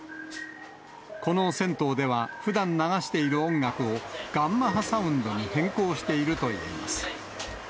この銭湯ではふだん流している音楽を、ガンマ波サウンドに変更しているといいます。